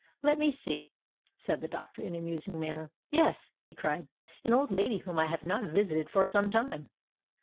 "Let me see," said the doctor, in a musing manner. "Yes," he cried: "an old lady whom I have not visited for some time."